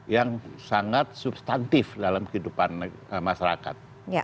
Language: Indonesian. yang sangat substantif dalam kehidupan masyarakat